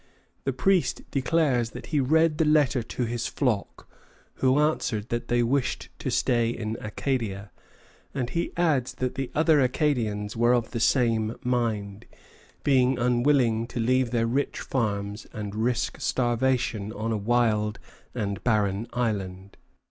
The priest declares that he read the letter to his flock, who answered that they wished to stay in Acadia; and he adds that the other Acadians were of the same mind, being unwilling to leave their rich farms and risk starvation on a wild and barren island.